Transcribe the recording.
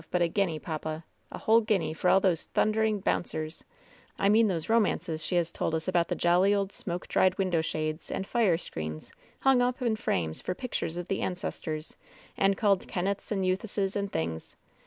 but a guinea, papa ! a whole guinea for all those thundering bouncers — I mean those romances she has told us about the jolly old smoke dried window shades and fire screens hung up in frames for pictures of the ancestors, and called Ken neths and Ethuses and things!